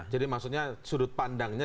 jadi maksudnya sudut pandangnya